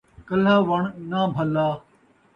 کلھا وݨ ناں بھلا